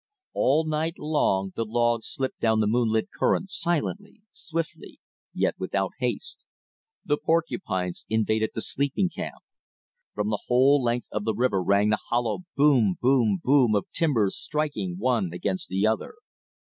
All night long the logs slipped down the moonlit current, silently, swiftly, yet without haste. The porcupines invaded the sleeping camp. From the whole length of the river rang the hollow BOOM, BOOM, BOOM, of timbers striking one against the other.